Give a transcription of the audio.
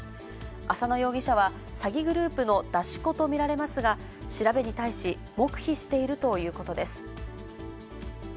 朝野容疑者は、詐欺グループの出し子と見られますが、調べに対し、黙秘しているということです。